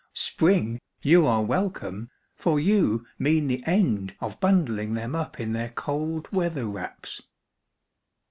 Spring, you are welcome, for you mean the end of Bundling them up in their cold weather wraps.